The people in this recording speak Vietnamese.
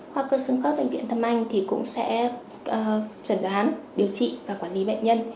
khoa sương khớp bệnh viện đặc hoa tâm anh thì cũng sẽ chẩn đoán điều trị và quản lý bệnh nhân